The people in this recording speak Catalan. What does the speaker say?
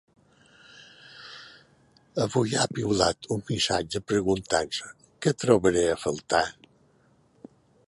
Avui ha piulat un missatge preguntant-se: Què trobaré a faltar?